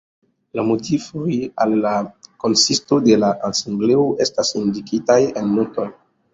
La modifoj al la konsisto de la Asembleo estas indikitaj en notoj.